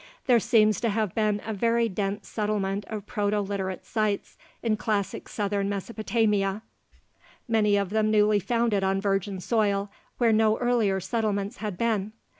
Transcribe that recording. There seems to have been a very dense settlement of Proto Literate sites in classic southern Mesopotamia, many of them newly founded on virgin soil where no earlier settlements had been.